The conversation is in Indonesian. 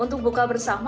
untuk buka bersama